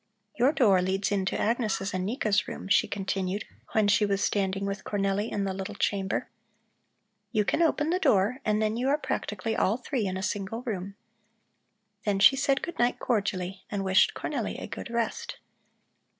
Your door leads into Agnes' and Nika's room," she continued, when she was standing with Cornelli in the little chamber. "You can open the door and then you are practically all three in a single room." Then she said good night cordially and wished Cornelli a good rest.